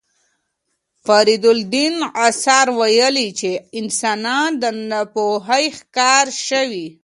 فریدالدین عطار ویلي چې انسانان د ناپوهۍ ښکار شوي.